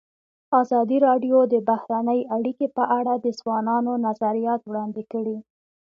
ازادي راډیو د بهرنۍ اړیکې په اړه د ځوانانو نظریات وړاندې کړي.